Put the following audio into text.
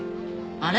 あれ？